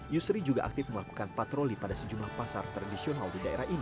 yusri juga aktif melakukan patroli pada sejumlah pasar tradisional di daerah ini